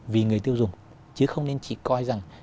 vì người tiêu dùng chứ không nên chỉ coi rằng